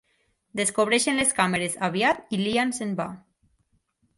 Descobreixen les càmeres aviat i l'Ian se'n va.